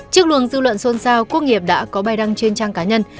trước luồng dư luận xuân sao quốc nghiệp đã có bài đăng trên trang cá nhân